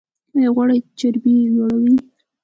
ایا غوړي چربي لوړوي؟